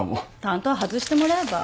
担当外してもらえば？